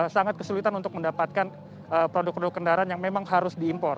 sangat kesulitan untuk mendapatkan produk produk kendaraan yang memang harus diimpor